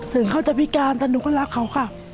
ถึงเขาจะพิการแต่หนูก็รักเขาค่ะ